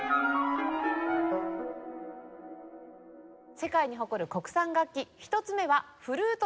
世界に誇る国産楽器１つ目はフルートです。